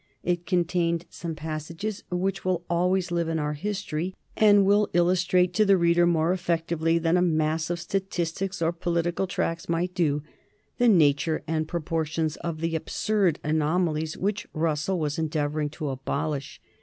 It contained some passages which will always live in our history, and will illustrate to the reader, more effectively than a mass of statistics or political tracts might do, the nature and proportions of the absurd anomalies which Russell was endeavoring to abolish.